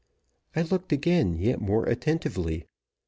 I looked again, yet more attentively.